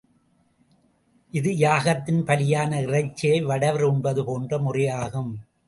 இது யாகத்தில் பலியான இறைச்சியை வடவர் உண்பது போன்ற முறையாகும்.